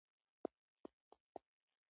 هېڅ ماشوم بايد له زده کړو پاتې نشي.